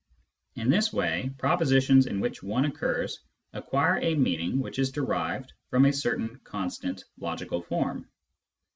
In this way, proposi tions in which I occurs acquire a meaning which is derived from a certain constant logical form.